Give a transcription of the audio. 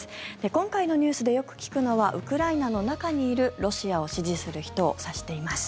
今回のニュースでよく聞くのはウクライナの中にいるロシアを支持する人を指しています。